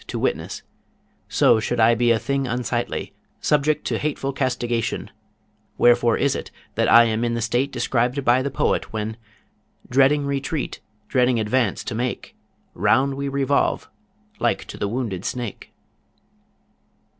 to witness; so should I be a thing unsightly, subject to hateful castigation; wherefore is it that I am in that state described by the poet, when, "Dreading retreat, dreading advance to make, Round we revolve, like to the wounded snake."